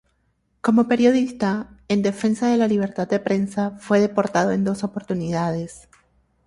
Como periodista, en defensa de la libertad de prensa, fue deportado en dos oportunidades.